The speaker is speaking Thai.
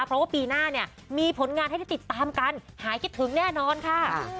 เพราะว่าปีหน้าเนี่ยมีผลงานให้ได้ติดตามกันหายคิดถึงแน่นอนค่ะ